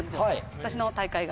私の大会が。